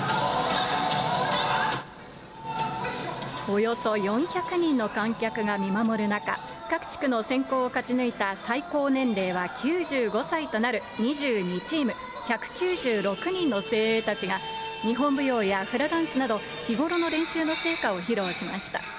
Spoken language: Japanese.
およそ４００人の観客が見守る中、各地区の選考を勝ち抜いた最高年齢は９５歳となる２２チーム１９６人の精鋭たちが、日本舞踊やフラダンスなど、日頃の練習の成果を披露しました。